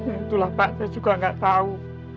itulah pak saya juga nggak tahu